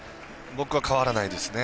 僕は変わらないですね。